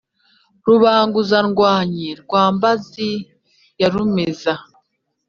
rubanguza-ndwanyi rwa mbazi ya rumeza,